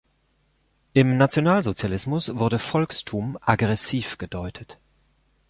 Im Nationalsozialismus wurde "Volkstum" aggressiv gedeutet.